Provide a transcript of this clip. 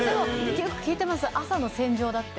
よく聞いています、朝の戦場だって。